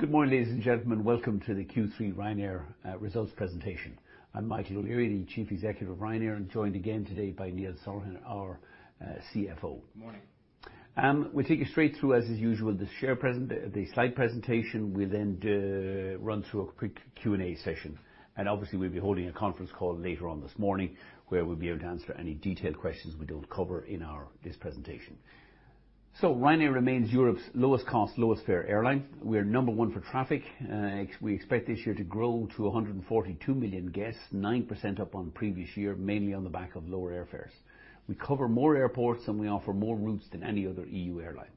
Good morning, ladies and gentlemen. Welcome to the Q3 Ryanair results presentation. I'm Michael O'Leary, the chief executive of Ryanair, and joined again today by Neil Sorahan, our CFO. Morning. We'll take you straight through, as is usual, the slide presentation. We'll run through a quick Q&A session, obviously we'll be holding a conference call later on this morning where we'll be able to answer any detailed questions we don't cover in this presentation. Ryanair remains Europe's lowest cost, lowest fare airline. We are number one for traffic. We expect this year to grow to 142 million guests, 9% up on the previous year, mainly on the back of lower airfares. We cover more airports and we offer more routes than any other EU airline.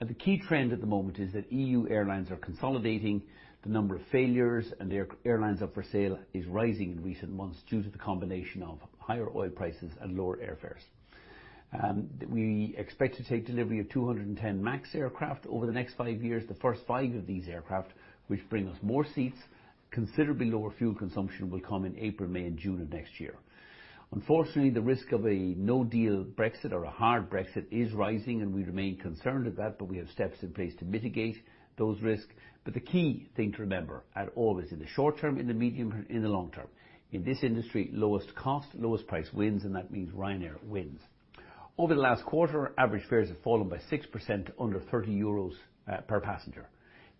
The key trend at the moment is that EU airlines are consolidating. The number of failures and airlines up for sale is rising in recent months due to the combination of higher oil prices and lower airfares. We expect to take delivery of 210 MAX aircraft over the next five years. The first five of these aircraft, which bring us more seats, considerably lower fuel consumption, will come in April, May, and June of next year. Unfortunately, the risk of a no-deal Brexit or a hard Brexit is rising, we remain concerned at that, we have steps in place to mitigate those risks. The key thing to remember, always in the short term, in the medium, in the long term, in this industry, lowest cost, lowest price wins, and that means Ryanair wins. Over the last quarter, average fares have fallen by 6% to under 30 euros per passenger.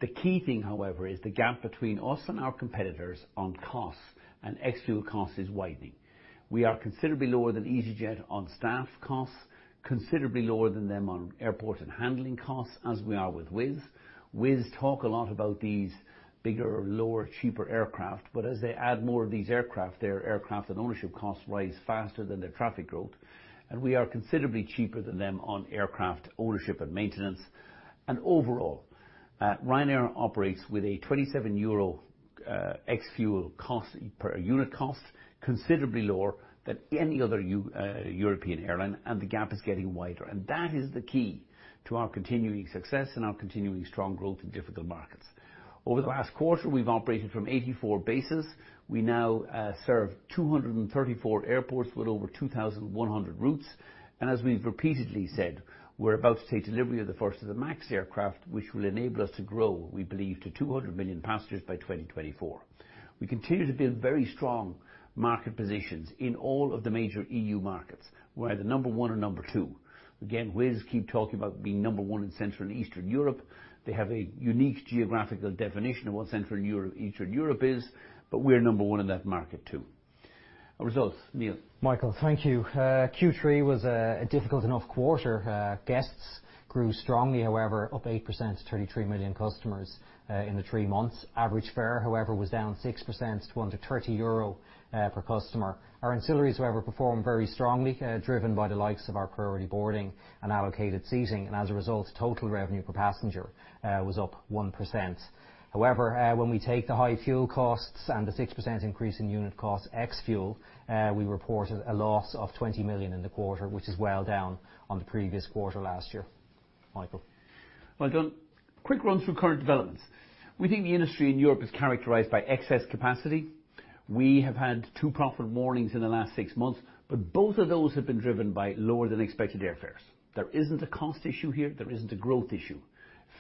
The key thing, however, is the gap between us and our competitors on costs and ex-fuel costs is widening. We are considerably lower than easyJet on staff costs, considerably lower than them on airport and handling costs, as we are with Wizz. Wizz talk a lot about these bigger, lower, cheaper aircraft, as they add more of these aircraft, their aircraft and ownership costs rise faster than their traffic growth, we are considerably cheaper than them on aircraft ownership and maintenance. Overall, Ryanair operates with a 27 euro ex-fuel cost, per unit cost, considerably lower than any other European airline, the gap is getting wider. That is the key to our continuing success and our continuing strong growth in difficult markets. Over the last quarter, we've operated from 84 bases. We now serve 234 airports with over 2,100 routes. As we've repeatedly said, we're about to take delivery of the first of the MAX aircraft, which will enable us to grow, we believe, to 200 million passengers by 2024. We continue to build very strong market positions in all of the major EU markets. We're either number one or number two. Again, Wizz keep talking about being number one in Central and Eastern Europe. They have a unique geographical definition of what Central and Eastern Europe is, but we're number one in that market too. Our results. Neil. Michael, thank you. Q3 was a difficult enough quarter. Guests grew strongly, however, up 8% to 33 million customers in the three months. Average fare, however, was down 6% to under 30 euro per customer. Our ancillaries, however, performed very strongly, driven by the likes of our priority boarding and allocated seating, as a result, total revenue per passenger was up 1%. However, when we take the high fuel costs and the 6% increase in unit cost ex-fuel, we reported a loss of 20 million in the quarter, which is well down on the previous quarter last year. Michael. Well done. Quick run through current developments. We think the industry in Europe is characterized by excess capacity. We have had two profit warnings in the last six months, both of those have been driven by lower than expected airfares. There isn't a cost issue here. There isn't a growth issue.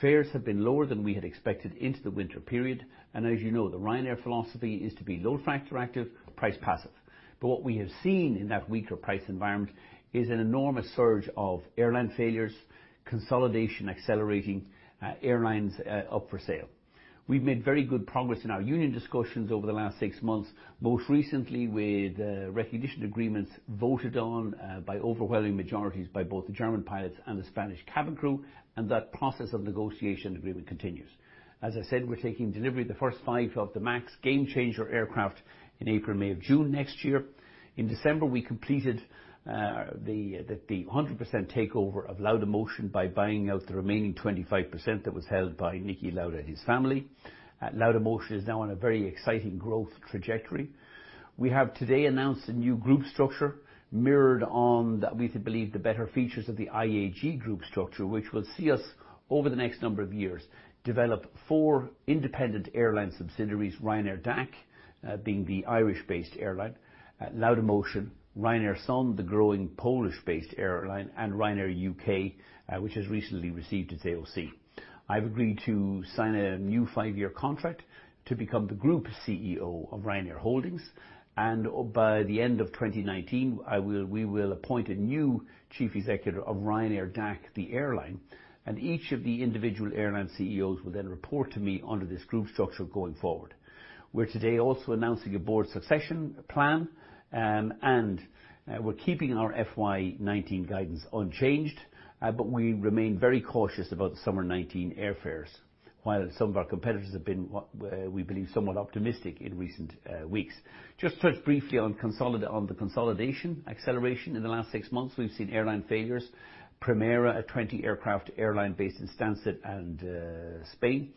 Fares have been lower than we had expected into the winter period, as you know, the Ryanair philosophy is to be load factor active, price passive. What we have seen in that weaker price environment is an enormous surge of airline failures, consolidation accelerating, airlines up for sale. We've made very good progress in our union discussions over the last six months, most recently with recognition agreements voted on by overwhelming majorities by both the German pilots and the Spanish cabin crew, that process of negotiation agreement continues. As I said, we're taking delivery of the first five of the MAX Gamechanger aircraft in April, May, or June next year. In December, we completed the 100% takeover of Laudamotion by buying out the remaining 25% that was held by Niki Lauda and his family. Laudamotion is now on a very exciting growth trajectory. We have today announced a new group structure mirrored on what we believe the better features of the IAG group structure, which will see us over the next number of years develop four independent airline subsidiaries, Ryanair DAC, being the Irish-based airline, Laudamotion, Ryanair Sun, the growing Polish-based airline, and Ryanair UK, which has recently received its AOC. I've agreed to sign a new five-year contract to become the Group Chief Executive Officer of Ryanair Holdings, and by the end of 2019, we will appoint a new chief executive of Ryanair DAC, the airline, and each of the individual airline CEOs will then report to me under this group structure going forward. We're today also announcing a board succession plan, and we're keeping our FY19 guidance unchanged, but we remain very cautious about the summer 2019 airfares, while some of our competitors have been, we believe, somewhat optimistic in recent weeks. Just touch briefly on the consolidation acceleration. In the last six months, we've seen airline failures. Primera Air, a 20-aircraft airline based in Stansted and Spain.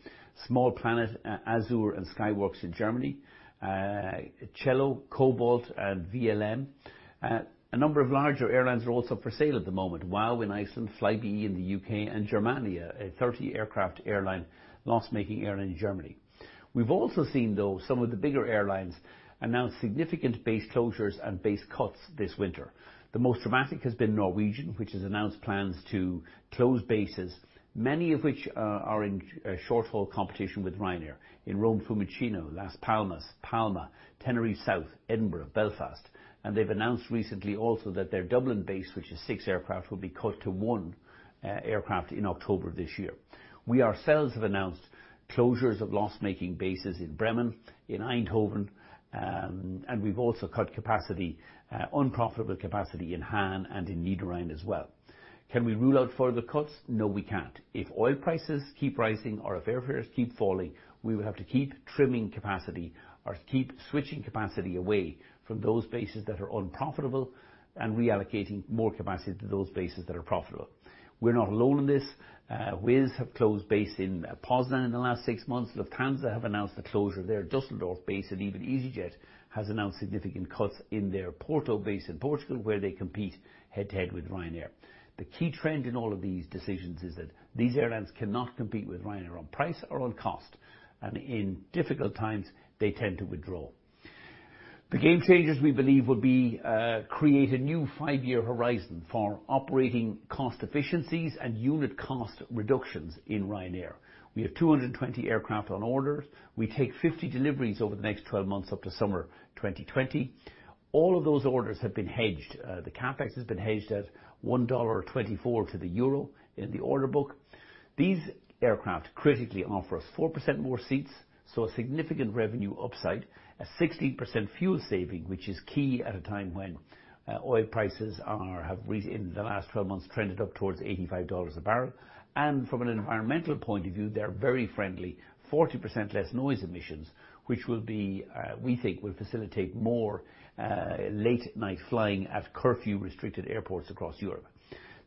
Small Planet Airlines, Azur Air, and SkyWork Airlines in Germany. Cello Aviation, Cobalt Air, and VLM Airlines. A number of larger airlines are also for sale at the moment. WOW air in Iceland, flybe in the U.K., and Germania, a 30-aircraft airline, loss-making airline in Germany. We've also seen, though, some of the bigger airlines announce significant base closures and base cuts this winter. The most dramatic has been Norwegian, which has announced plans to close bases, many of which are in short-haul competition with Ryanair: in Rome Fiumicino, Las Palmas, Palma, Tenerife South, Edinburgh, Belfast. They've announced recently also that their Dublin base, which is six aircraft, will be cut to one aircraft in October this year. We ourselves have announced closures of loss-making bases in Bremen, in Eindhoven, and we've also cut unprofitable capacity in Hahn and in Niederrhein as well. Can we rule out further cuts? No, we can't. If oil prices keep rising or if airfares keep falling, we will have to keep trimming capacity or keep switching capacity away from those bases that are unprofitable and reallocating more capacity to those bases that are profitable. We're not alone in this. Wizz Air have closed base in Poznań in the last six months. Lufthansa have announced the closure of their Düsseldorf base, and even easyJet has announced significant cuts in their Porto base in Portugal, where they compete head-to-head with Ryanair. The key trend in all of these decisions is that these airlines cannot compete with Ryanair on price or on cost, and in difficult times, they tend to withdraw. The Gamechanger, we believe, will create a new five-year horizon for operating cost efficiencies and unit cost reductions in Ryanair. We have 220 aircraft on order. We take 50 deliveries over the next 12 months up to summer 2020. All of those orders have been hedged. The CapEx has been hedged at $1.24 to the EUR in the order book. These aircraft critically offer us 4% more seats, so a significant revenue upside, a 16% fuel saving, which is key at a time when oil prices have, in the last 12 months, trended up towards $85 a barrel. From an environmental point of view, they're very friendly. 40% less noise emissions, which we think will facilitate more late-night flying at curfew-restricted airports across Europe.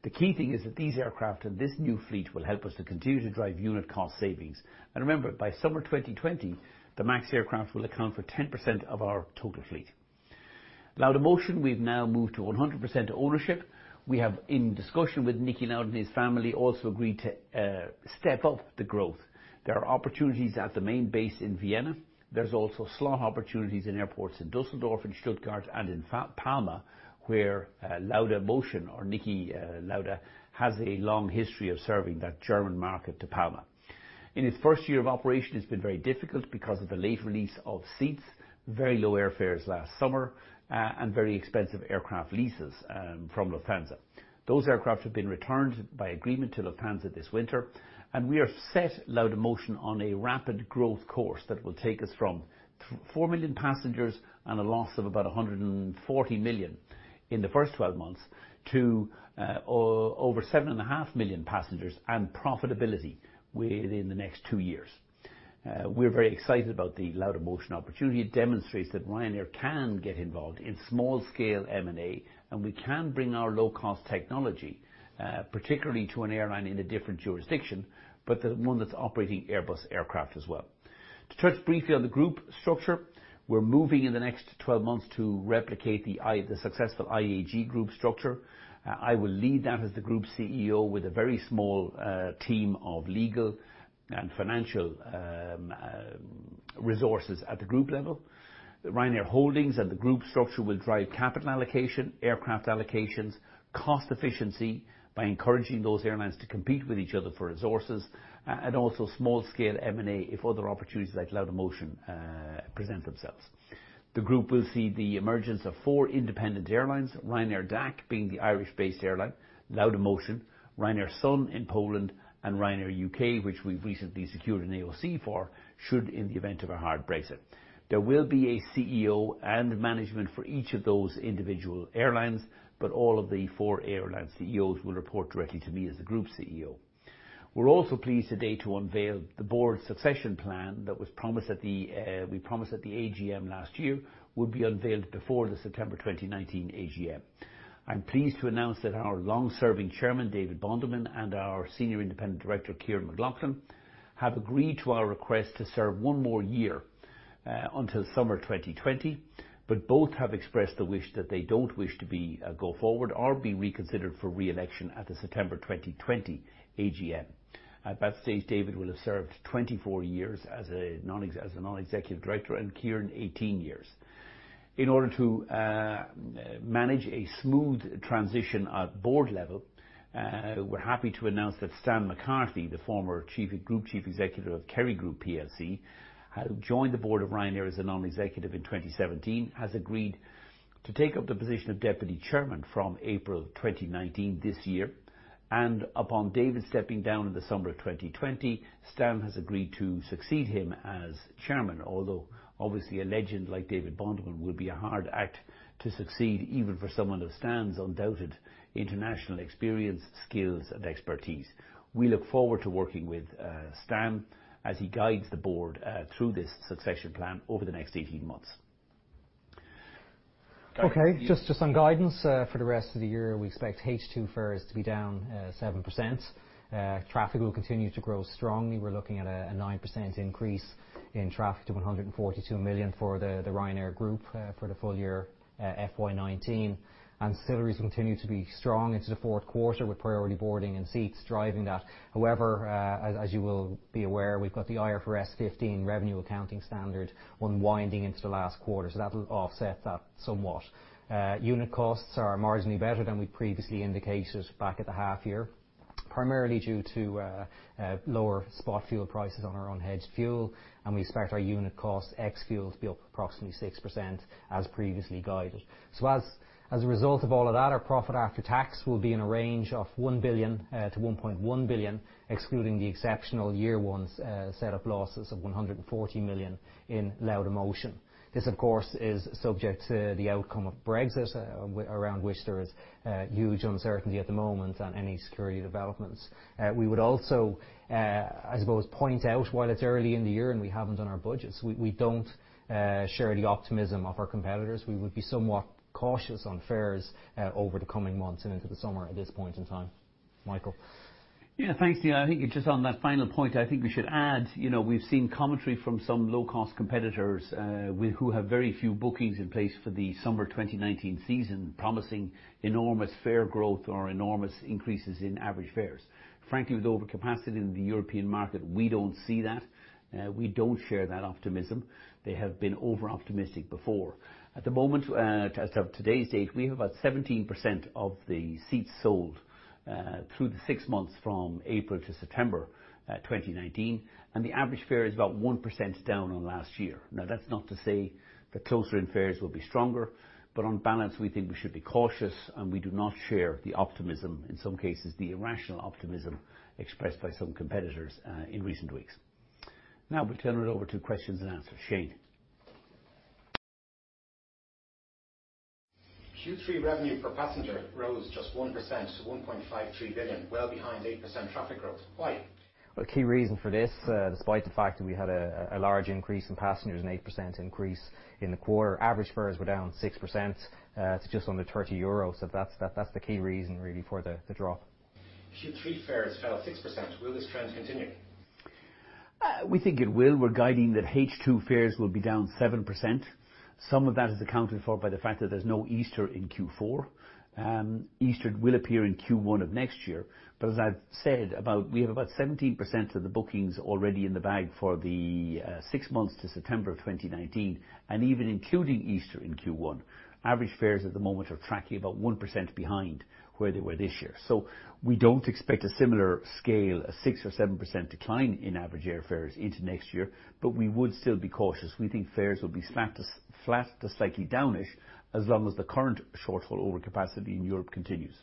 The key thing is that these aircraft and this new fleet will help us to continue to drive unit cost savings. Remember, by summer 2020, the MAX aircraft will account for 10% of our total fleet. Laudamotion we've now moved to 100% ownership. We have, in discussion with Niki Lauda and his family, also agreed to step up the growth. There are opportunities at the main base in Vienna. There's also slot opportunities in airports in Düsseldorf and Stuttgart and in Palma, where Laudamotion or Niki Lauda has a long history of serving that German market to Palma. In its first year of operation, it's been very difficult because of the late release of seats, very low airfares last summer, and very expensive aircraft leases from Lufthansa. Those aircraft have been returned by agreement to Lufthansa this winter. We have set Laudamotion on a rapid growth course that will take us from 4 million passengers and a loss of about 140 million in the first 12 months to over 7.5 million passengers and profitability within the next two years. We're very excited about the Laudamotion opportunity. It demonstrates that Ryanair can get involved in small-scale M&A. We can bring our low-cost technology, particularly to an airline in a different jurisdiction, but one that's operating Airbus aircraft as well. To touch briefly on the group structure, we're moving in the next 12 months to replicate the successful IAG group structure. I will lead that as the Group CEO with a very small team of legal and financial resources at the group level. Ryanair Holdings and the group structure will drive capital allocation, aircraft allocations, cost efficiency by encouraging those airlines to compete with each other for resources. Also small-scale M&A if other opportunities like Laudamotion present themselves. The group will see the emergence of four independent airlines, Ryanair DAC being the Irish-based airline, Laudamotion, Ryanair Sun in Poland, and Ryanair UK, which we've recently secured an AOC for, should in the event of a hard Brexit. There will be a CEO and management for each of those individual airlines, but all of the four airline CEOs will report directly to me as the Group CEO. We're also pleased today to unveil the board succession plan that we promised at the AGM last year would be unveiled before the September 2019 AGM. I'm pleased to announce that our long-serving Chairman, David Bonderman, and our Senior Independent Director, Kyran McLaughlin, have agreed to our request to serve one more year until summer 2020, but both have expressed the wish that they don't wish to go forward or be reconsidered for re-election at the September 2020 AGM. At that stage, David will have served 24 years as a non-executive director, and Kyran 18 years. In order to manage a smooth transition at board level, we're happy to announce that Stan McCarthy, the former Group Chief Executive of Kerry Group plc, who joined the board of Ryanair as a non-executive in 2017, has agreed to take up the position of Deputy Chairman from April 2019 this year. Upon David stepping down in the summer of 2020, Stan has agreed to succeed him as Chairman, although obviously a legend like David Bonderman will be a hard act to succeed, even for someone of Stan's undoubted international experience, skills, and expertise. We look forward to working with Stan as he guides the board through this succession plan over the next 18 months. Just on guidance for the rest of the year, we expect H2 fares to be down 7%. Traffic will continue to grow strongly. We're looking at a 9% increase in traffic to 142 million for the Ryanair Group for the full year FY 2019. Ancillaries continue to be strong into the fourth quarter with priority boarding and seats driving that. However, as you will be aware, we've got the IFRS 15 revenue accounting standard unwinding into the last quarter, so that'll offset that somewhat. Unit costs are marginally better than we previously indicated back at the half year. Primarily due to lower spot fuel prices on our unhedged fuel, and we expect our unit cost ex fuel to be up approximately 6%, as previously guided. As a result of all of that, our profit after tax will be in a range of 1 billion to 1.1 billion, excluding the exceptional year one set of losses of 140 million in Laudamotion. This, of course, is subject to the outcome of Brexit, around which there is huge uncertainty at the moment on any security developments. We would also, I suppose, point out, while it's early in the year and we haven't done our budgets, we don't share the optimism of our competitors. We would be somewhat cautious on fares over the coming months and into the summer at this point in time. Michael? Thanks, Neil. I think just on that final point, I think we should add, we've seen commentary from some low-cost competitors who have very few bookings in place for the summer 2019 season, promising enormous fare growth or enormous increases in average fares. Frankly, with overcapacity in the European market, we don't see that. We don't share that optimism. They have been over-optimistic before. At the moment, as of today's date, we have about 17% of the seats sold through the six months from April to September 2019, and the average fare is about 1% down on last year. That's not to say that closing fares will be stronger, but on balance, we think we should be cautious, and we do not share the optimism, in some cases, the irrational optimism expressed by some competitors in recent weeks. We turn it over to questions and answers. Shane? Q3 revenue per passenger rose just 1% to 1.53 billion, well behind 8% traffic growth. Why? The key reason for this, despite the fact that we had a large increase in passengers, an 8% increase in the quarter, average fares were down 6% to just under 30 euros. That's the key reason, really, for the drop. Q3 fares fell 6%. Will this trend continue? We think it will. We're guiding that H2 fares will be down 7%. Some of that is accounted for by the fact that there's no Easter in Q4. Easter will appear in Q1 of next year. As I've said, we have about 17% of the bookings already in the bag for the six months to September of 2019, and even including Easter in Q1. Average fares at the moment are tracking about 1% behind where they were this year. We don't expect a similar scale, a 6% or 7% decline in average air fares into next year, but we would still be cautious. We think fares will be flat to slightly downish as long as the current short-haul overcapacity in Europe continues.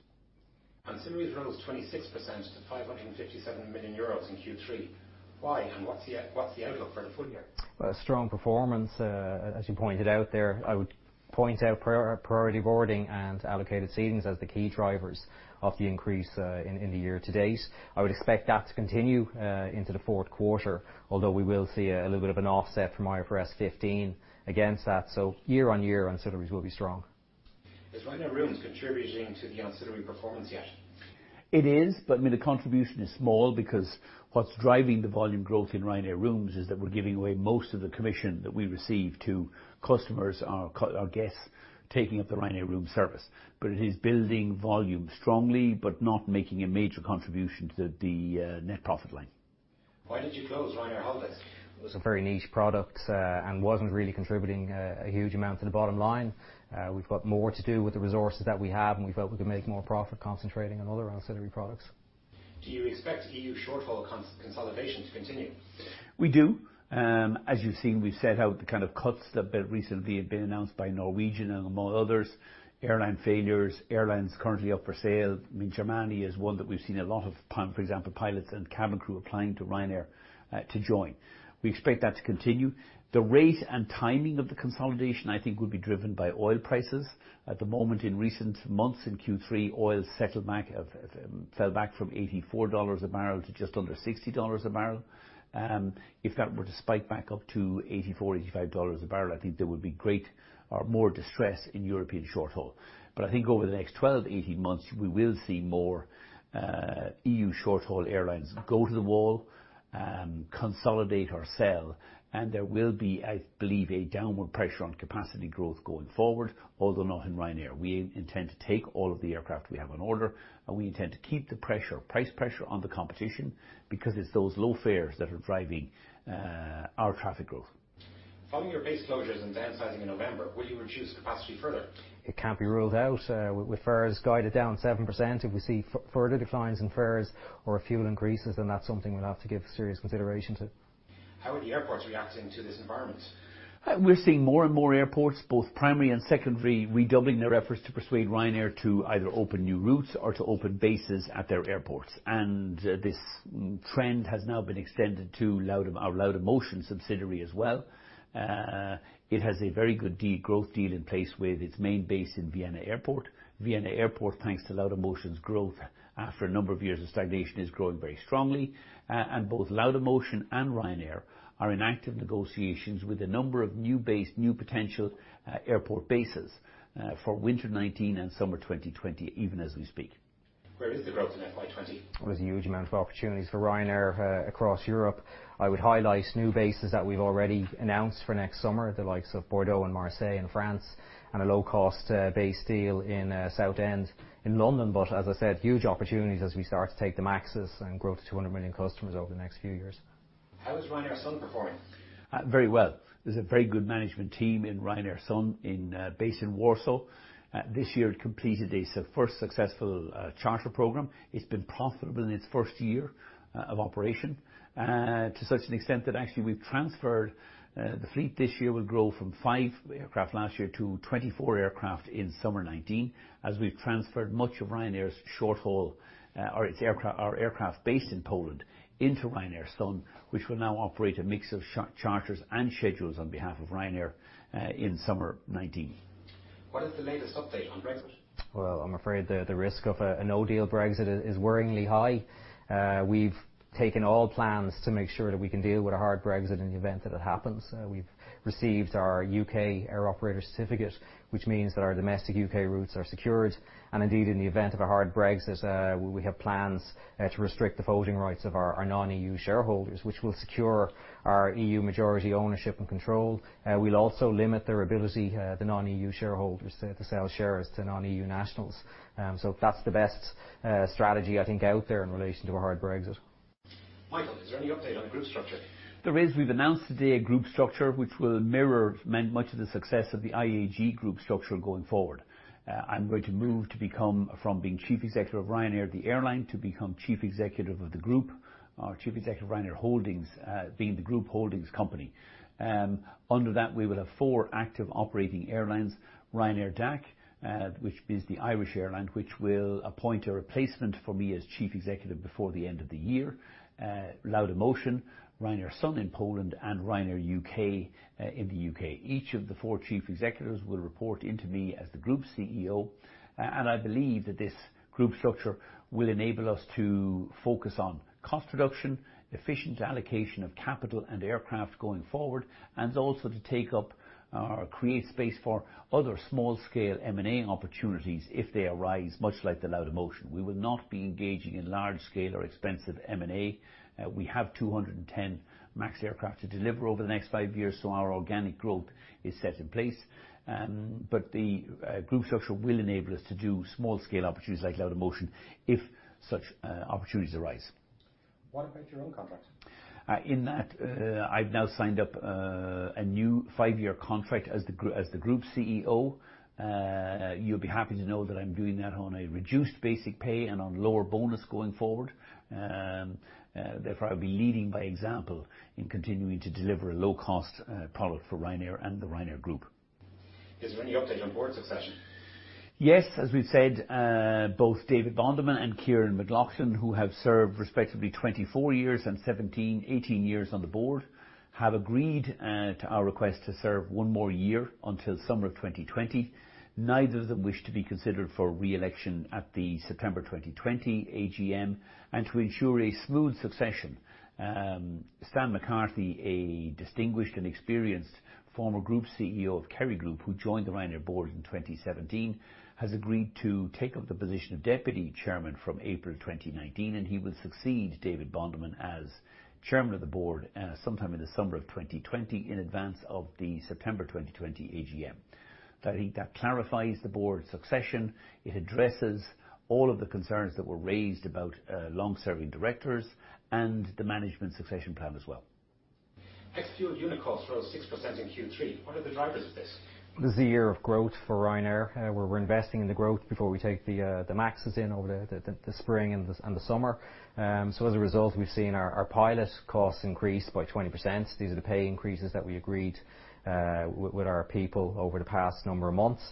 Ancillary rose 26% to 557 million euros in Q3. Why, and what's the outlook for the full year? A strong performance, as you pointed out there. I would point out priority boarding and allocated seatings as the key drivers of the increase in the year to date. I would expect that to continue into the fourth quarter, although we will see a little bit of an offset from IFRS 15 against that. Year-on-year, ancillaries will be strong. Is Ryanair Rooms contributing to the ancillary performance yet? It is, but the contribution is small because what's driving the volume growth in Ryanair Rooms is that we're giving away most of the commission that we receive to customers, our guests taking up the Ryanair Room service. It is building volume strongly, but not making a major contribution to the net profit line. Why did you close Ryanair Holidays? It was a very niche product, and wasn't really contributing a huge amount to the bottom line. We've got more to do with the resources that we have, and we felt we could make more profit concentrating on other ancillary products. Do you expect EU short-haul consolidation to continue? We do. As you've seen, we set out the kind of cuts that recently have been announced by Norwegian and among others, airline failures, airlines currently up for sale. Germania is one that we've seen a lot of, for example, pilots and cabin crew applying to Ryanair to join. We expect that to continue. The rate and timing of the consolidation, I think, will be driven by oil prices. At the moment, in recent months in Q3, oil fell back from $84 a barrel to just under $60 a barrel. If that were to spike back up to $84, $85 a barrel, I think there would be great or more distress in European short haul. I think over the next 12-18 months, we will see more EU short-haul airlines go to the wall, consolidate or sell, and there will be, I believe, a downward pressure on capacity growth going forward, although not in Ryanair. We intend to take all of the aircraft we have on order, and we intend to keep the price pressure on the competition because it's those low fares that are driving our traffic growth. Following your base closures and downsizing in November, will you reduce capacity further? It can't be ruled out. With fares guided down 7%, if we see further declines in fares or fuel increases, that's something we'll have to give serious consideration to. How are the airports reacting to this environment? We're seeing more and more airports, both primary and secondary, redoubling their efforts to persuade Ryanair to either open new routes or to open bases at their airports. This trend has now been extended to our Laudamotion subsidiary as well. It has a very good growth deal in place with its main base in Vienna Airport. Vienna Airport, thanks to Laudamotion's growth after a number of years of stagnation, is growing very strongly, both Laudamotion and Ryanair are in active negotiations with a number of new potential airport bases for winter 2019 and summer 2020, even as we speak. Where is the growth in FY20? There's a huge amount of opportunities for Ryanair across Europe. I would highlight new bases that we've already announced for next summer, the likes of Bordeaux and Marseille in France, and a low-cost base deal in Southend in London. As I said, huge opportunities as we start to take the MAXes and grow to 200 million customers over the next few years. How is Ryanair Sun performing? Very well. There's a very good management team in Ryanair Sun based in Warsaw. This year, it completed its first successful charter program. It's been profitable in its first year of operation, to such an extent that actually we've transferred. The fleet this year will grow from five aircraft last year to 24 aircraft in summer 2019, as we've transferred much of Ryanair's short-haul, or aircraft based in Poland into Ryanair Sun, which will now operate a mix of charters and schedules on behalf of Ryanair in summer 2019. What is the latest update on Brexit? Well, I'm afraid the risk of a no-deal Brexit is worryingly high. We've taken all plans to make sure that we can deal with a hard Brexit in the event that it happens. We've received our U.K. Air Operator Certificate, which means that our domestic U.K. routes are secured. Indeed, in the event of a hard Brexit, we have plans to restrict the voting rights of our non-EU shareholders, which will secure our EU majority ownership and control. We'll also limit their ability, the non-EU shareholders, to sell shares to non-EU nationals. That's the best strategy I think out there in relation to a hard Brexit. Michael, is there any update on group structure? There is. We've announced today a group structure which will mirror much of the success of the IAG group structure going forward. I'm going to move to become from being chief executive of Ryanair the airline to become chief executive of the group, or chief executive of Ryanair Holdings, being the group holdings company. Under that, we will have four active operating airlines, Ryanair DAC, which is the Irish airline, which will appoint a replacement for me as chief executive before the end of the year. Laudamotion, Ryanair Sun in Poland, and Ryanair U.K. in the U.K. Each of the four chief executives will report into me as the Group CEO. I believe that this group structure will enable us to focus on cost reduction, efficient allocation of capital and aircraft going forward, and also to take up or create space for other small-scale M&A opportunities if they arise, much like the Laudamotion. We will not be engaging in large-scale or expensive M&A. We have 210 MAX aircraft to deliver over the next five years, so our organic growth is set in place. The group structure will enable us to do small-scale opportunities like Laudamotion if such opportunities arise. What about your own contract? In that, I've now signed up a new five-year contract as the Group CEO. You'll be happy to know that I'm doing that on a reduced basic pay and on lower bonus going forward. Therefore, I'll be leading by example in continuing to deliver a low-cost product for Ryanair and the Ryanair Group. Is there any update on board succession? Yes. As we've said, both David Bonderman and Kyran McLaughlin, who have served respectively 24 years and 17-18 years on the Board, have agreed to our request to serve one more year until summer of 2020. Neither of them wish to be considered for re-election at the September 2020 AGM. To ensure a smooth succession, Stan McCarthy, a distinguished and experienced former Group CEO of Kerry Group, who joined the Ryanair Board in 2017, has agreed to take up the position of Deputy Chairman from April 2019. He will succeed David Bonderman as Chairman of the Board sometime in the summer of 2020 in advance of the September 2020 AGM. That clarifies the Board succession. It addresses all of the concerns that were raised about long-serving directors and the management succession plan as well. Ex-fuel unit costs rose 6% in Q3. What are the drivers of this? This is a year of growth for Ryanair. We're investing in the growth before we take the MAXes in over the spring and the summer. As a result, we've seen our pilot costs increase by 20%. These are the pay increases that we agreed with our people over the past number of months.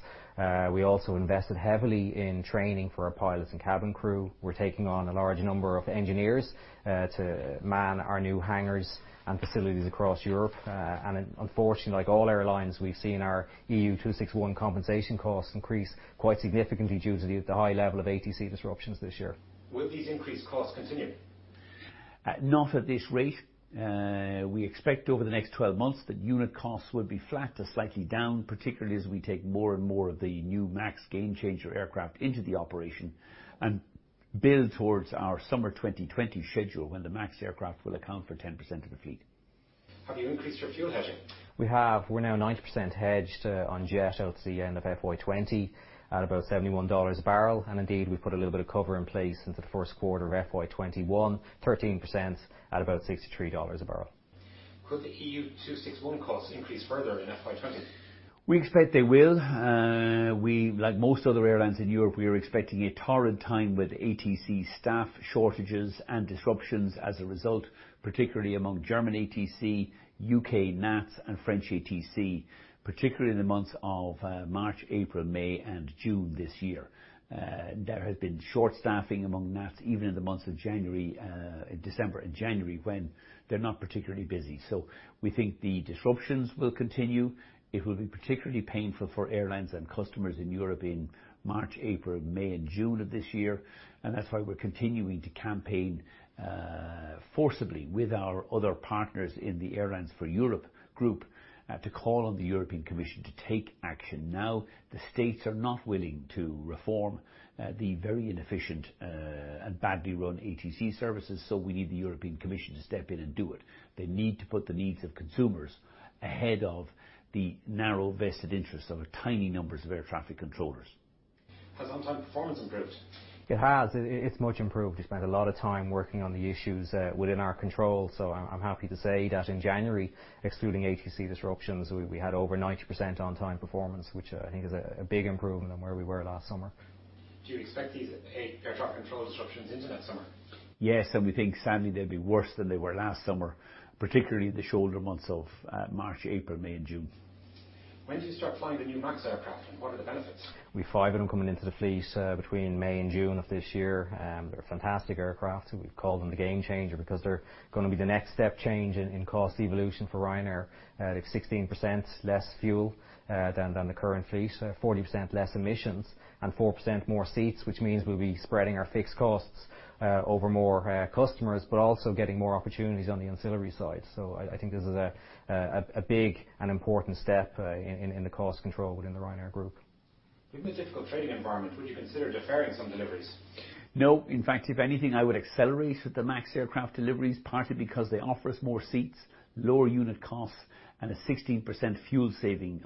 We also invested heavily in training for our pilots and cabin crew. We're taking on a large number of engineers to man our new hangars and facilities across Europe. Unfortunately, like all airlines, we've seen our EU261 compensation costs increase quite significantly due to the high level of ATC disruptions this year. Will these increased costs continue? Not at this rate. We expect over the next 12 months that unit costs will be flat to slightly down, particularly as we take more and more of the new MAX Gamechanger aircraft into the operation and build towards our summer 2020 schedule, when the MAX aircraft will account for 10% of the fleet. Have you increased your fuel hedging? We have. We're now 90% hedged on jet out to the end of FY 2020 at about $71 a barrel. Indeed, we've put a little bit of cover in place into the first quarter of FY 2021, 13% at about $63 a barrel. Could the EU261 costs increase further in FY 2020? We expect they will. Like most other airlines in Europe, we are expecting a torrid time with ATC staff shortages and disruptions as a result, particularly among German ATC, U.K. NATS, and French ATC, particularly in the months of March, April, May, and June this year. There has been short staffing among NATS even in the months of December and January when they're not particularly busy. We think the disruptions will continue. It will be particularly painful for airlines and customers in Europe in March, April, May, and June of this year, that's why we're continuing to campaign forcibly with our other partners in the Airlines for Europe group to call on the European Commission to take action now. The states are not willing to reform the very inefficient and badly run ATC services. We need the European Commission to step in and do it. They need to put the needs of consumers ahead of the narrow vested interests of a tiny numbers of air traffic controllers. Has on-time performance improved? It has. It's much improved. We spent a lot of time working on the issues within our control. I'm happy to say that in January, excluding ATC disruptions, we had over 90% on time performance, which I think is a big improvement on where we were last summer. Do you expect these air traffic control disruptions into next summer? Yes, we think sadly, they'll be worse than they were last summer, particularly the shoulder months of March, April, May and June. When do you start flying the new MAX aircraft and what are the benefits? We have five of them coming into the fleet between May and June of this year. They're fantastic aircraft. We've called them the Gamechanger because they're going to be the next step change in cost evolution for Ryanair. They've 16% less fuel than the current fleet, 40% less emissions and 4% more seats, which means we'll be spreading our fixed costs over more customers but also getting more opportunities on the ancillary side. I think this is a big and important step in the cost control within the Ryanair Group. With the difficult trading environment, would you consider deferring some deliveries? No. In fact, if anything, I would accelerate the MAX aircraft deliveries, partly because they offer us more seats, lower unit costs, and a 16% fuel saving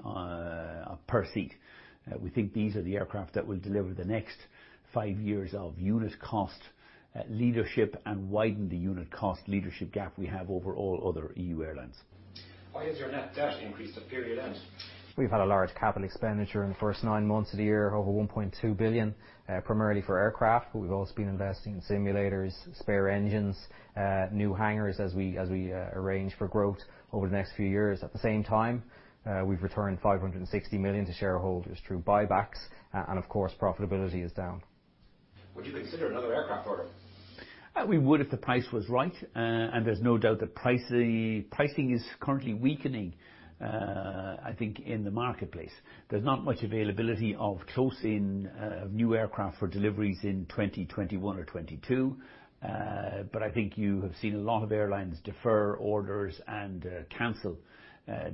per seat. We think these are the aircraft that will deliver the next five years of unit cost leadership and widen the unit cost leadership gap we have over all other EU airlines. Why has your net debt increased at period end? We've had a large capital expenditure in the first nine months of the year, over 1.2 billion, primarily for aircraft. We've also been investing in simulators, spare engines, new hangars as we arrange for growth over the next few years. At the same time, we've returned 560 million to shareholders through buybacks. Of course, profitability is down. Would you consider another aircraft order? There's no doubt that pricing is currently weakening, I think in the marketplace. There's not much availability of close-in of new aircraft for deliveries in 2021 or 2022. I think you have seen a lot of airlines defer orders and cancel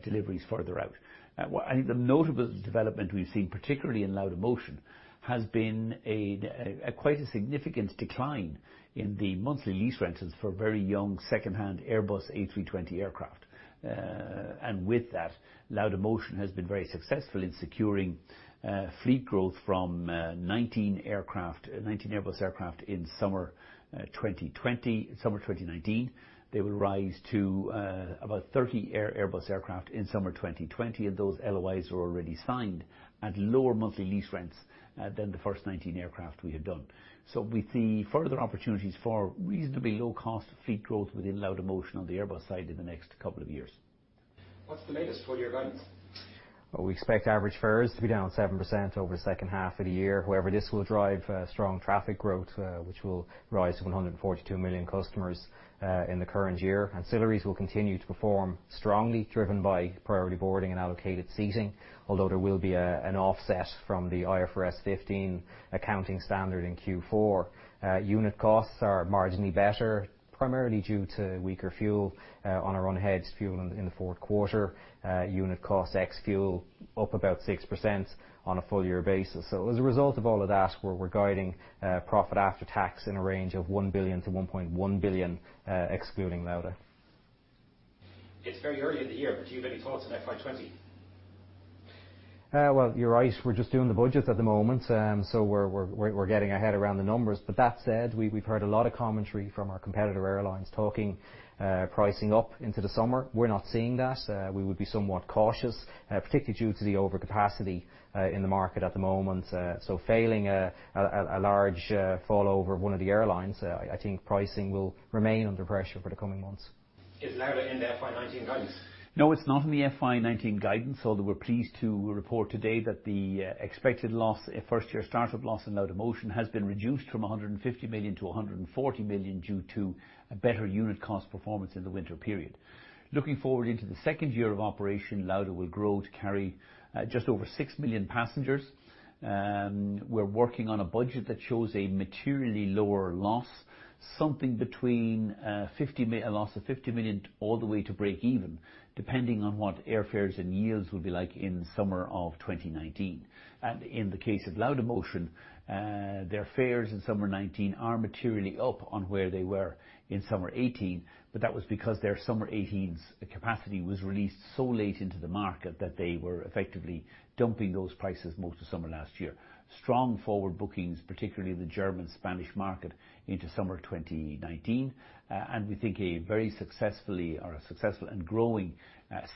deliveries further out. I think the notable development we've seen, particularly in Laudamotion, has been quite a significant decline in the monthly lease rentals for very young secondhand Airbus A320 aircraft. With that, Laudamotion has been very successful in securing fleet growth from 19 aircraft, 19 Airbus aircraft in summer 2019. They will rise to about 30 Airbus aircraft in summer 2020, and those LOIs are already signed at lower monthly lease rents than the first 19 aircraft we had done. We see further opportunities for reasonably low-cost fleet growth within Laudamotion on the Airbus side in the next couple of years. What's the latest full-year guidance? We expect average fares to be down 7% over the second half of the year. However, this will drive strong traffic growth, which will rise to 142 million customers in the current year. Ancillaries will continue to perform strongly, driven by priority boarding and allocated seating, although there will be an offset from the IFRS 15 accounting standard in Q4. Unit costs are marginally better, primarily due to weaker fuel on our own hedged fuel in the fourth quarter. Unit cost ex fuel up about 6% on a full year basis. As a result of all of that, we're guiding profit after tax in a range of 1 billion to 1.1 billion excluding Lauda. It's very early in the year, but do you have any thoughts on FY20? Well, you're right, we're just doing the budgets at the moment. We're getting our head around the numbers. That said, we've heard a lot of commentary from our competitor airlines talking pricing up into the summer. We're not seeing that. We would be somewhat cautious, particularly due to the overcapacity in the market at the moment. Failing a large fall over of one of the airlines, I think pricing will remain under pressure for the coming months. Is Lauda in the FY19 guidance? No, it's not in the FY 2019 guidance, although we're pleased to report today that the expected loss, a first year start-up loss in Laudamotion, has been reduced from 150 million to 140 million due to a better unit cost performance in the winter period. Looking forward into the second year of operation, Lauda will grow to carry just over six million passengers. We're working on a budget that shows a materially lower loss, something between a loss of 50 million all the way to breakeven, depending on what airfares and yields will be like in summer of 2019. In the case of Laudamotion, their fares in summer 2019 are materially up on where they were in summer 2018, but that was because their summer 2018's capacity was released so late into the market that they were effectively dumping those prices most of summer last year. Strong forward bookings, particularly in the German-Spanish market into summer 2019. We think a very successful and growing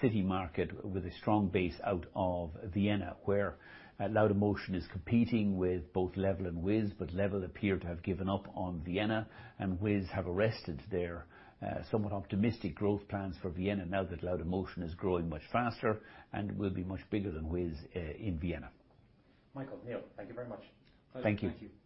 city market with a strong base out of Vienna, where Laudamotion is competing with both LEVEL and Wizz, but LEVEL appear to have given up on Vienna, and Wizz have arrested their somewhat optimistic growth plans for Vienna now that Laudamotion is growing much faster and will be much bigger than Wizz in Vienna. Michael, Neil, thank you very much. Thank you.